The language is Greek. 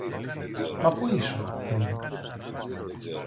Μα πού ήσουν πριν;